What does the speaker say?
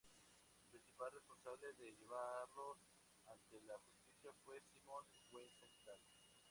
El principal responsable de llevarlo ante la justicia fue Simon Wiesenthal.